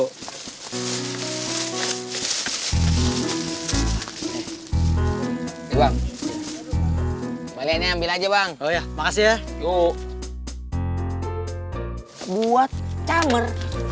kaliannya ambil aja bang oh ya makasih ya yuk buat camer